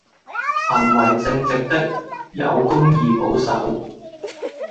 行為正直的，有公義保守